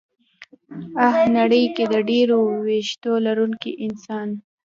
ه نړۍ کې د ډېرو وېښتو لرونکي انسان